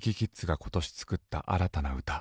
ＫｉｎＫｉＫｉｄｓが今年作った新たな歌。